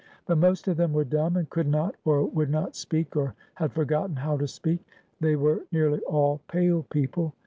But most of them were dumb, and could not, or would not speak, or had forgotten how to speak. They were nearly all pale people.